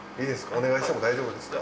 お願いしても大丈夫ですか？